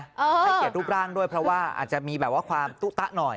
ให้เกียรติรูปร่างด้วยเพราะว่าอาจจะมีแบบว่าความตุ๊ตะหน่อย